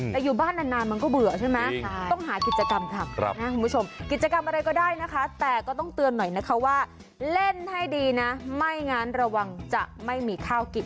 แต่อยู่บ้านนานมันก็เบื่อใช่ไหมต้องหากิจกรรมทำนะคุณผู้ชมกิจกรรมอะไรก็ได้นะคะแต่ก็ต้องเตือนหน่อยนะคะว่าเล่นให้ดีนะไม่งั้นระวังจะไม่มีข้าวกิน